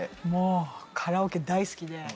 もうカラオケ大好きで。